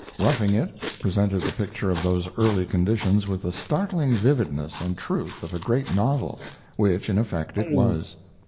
'Roughing It' presented the picture of those early conditions with the startling vividness and truth of a great novel, which, in effect, it was.